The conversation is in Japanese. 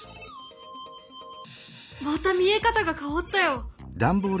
また見え方が変わったよ。